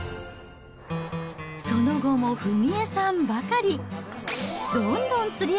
その後も文江さんばかり。